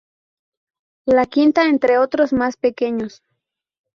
La Quinta, entre otros más pequeños.